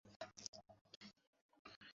Madam, তাড়াতাড়ি করেন।